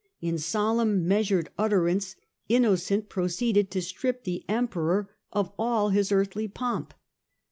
In solemn, measured utterance Innocent proceeded to strip the Emperor of all his earthly pomp.